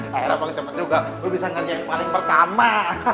saya harap banget cepet juga gue bisa ngerjain yang paling pertama